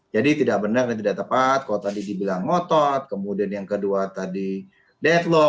jadi tidak benar dan tidak tepat kalau tadi dibilang ngotot kemudian yang kedua tadi deadlock